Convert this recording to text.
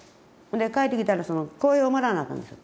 帰ってきたら幸平をもらわなあかんのですよ。